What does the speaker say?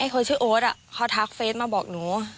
คนชื่อโอ๊ตเขาทักเฟสมาบอกหนู